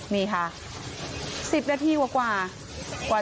๑๐นาทีกว่ากว่า